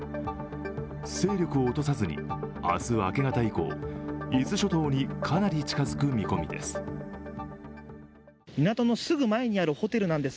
勢力を落とさずに明日、明け方以降伊豆諸島にかなり近づく見込みです。